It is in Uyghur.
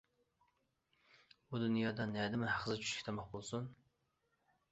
بۇ دۇنيادا نەدىمۇ ھەقسىز چۈشلۈك تاماق بولسۇن.